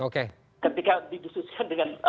ketika didususkan dengan